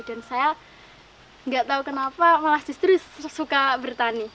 dan saya tidak tahu kenapa malah justru suka bertani